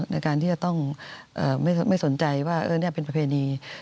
ในการที่จะต้องไม่สนใจว่านี่เป็นประเพณี